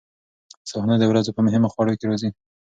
سهارنۍ د ورځې په مهمو خوړو کې راځي.